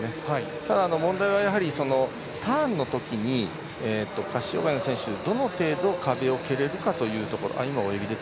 ただ、問題はターンのとき下肢障がいの選手、どの程度壁を蹴れるかというところ。